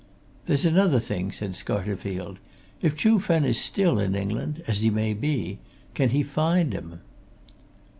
"There's another thing," said Scarterfield. "If Chuh Fen is still in England as he may be can he find him?"